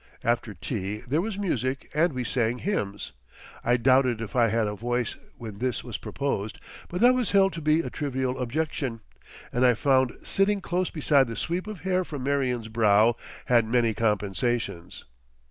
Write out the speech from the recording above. After tea there was music and we sang hymns. I doubted if I had a voice when this was proposed, but that was held to be a trivial objection, and I found sitting close beside the sweep of hair from Marion's brow had many compensations.